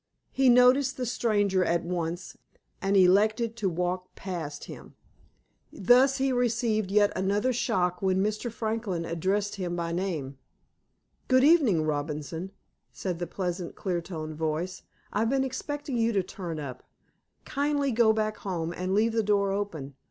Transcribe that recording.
He noticed the stranger at once, and elected to walk past him. Thus, he received yet another shock when Mr. Franklin addressed him by name. "Good evening, Robinson," said the pleasant, clear toned voice. "I've been expecting you to turn up. Kindly go back home, and leave the door open.